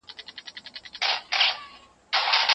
که تاسو د انار جوس وڅښئ نو ستاسو وینه به پاکه شي.